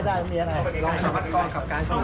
ได้มีอะไร